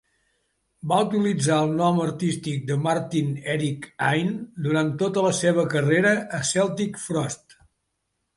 Va utilitzar el nom artístic de Martin Eric Ain durant tota la seva carrera a Celtic Frost.